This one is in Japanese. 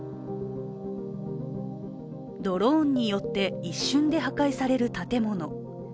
ドローンによって一瞬で破壊される建物。